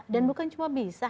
dan bukan cuma bisa